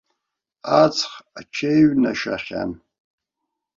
Аҵх аҽеиҩнашахьан.